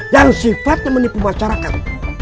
yang sifat menipu masyarakat